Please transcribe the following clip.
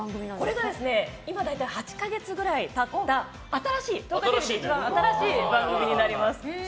これがですね今、大体８か月くらい経った東海テレビの一番新しい番組になります。